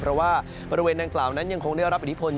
เพราะว่าบริเวณดังกล่าวนั้นยังคงได้รับอิทธิพล